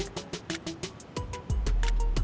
gak perlu berantem kayak gini